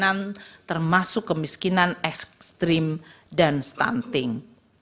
yang berfungsi untuk stabilisasi dan mendukung perlindungan sosial